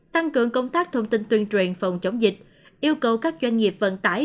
tăng cường công tác thông tin tuyên truyền phòng chống dịch yêu cầu các doanh nghiệp vận tải